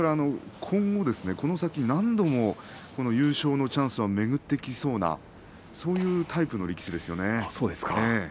今後この先何度も優勝のチャンスが巡ってきそうなそういうタイプの力士ですよね。